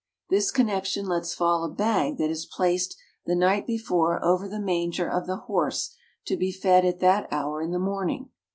This connection lets fall a bag that is placed the night before over the manger of the horse to be fed at that hour in the morning.